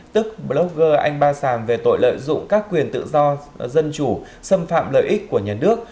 tức blogger anh ba sàm về tội lợi dụng các quyền tự do dân chủ xâm phạm lợi ích của nhà nước